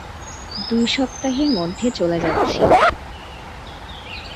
দুই সপ্তাহের মধ্যে চলে যাচ্ছি।